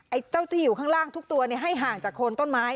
ไอ้เจ้าที่อยู่ข้างล่างทุกตัวให้ห่างจากโคนต้นไม้